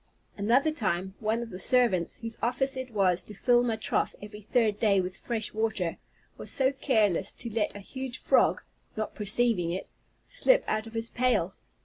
Another time, one of the servants, whose office it was to fill my trough every third day with fresh water, was so careless to let a huge frog (not perceiving it) slip out of his pail.